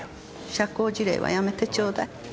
社交辞令はやめてちょうだい。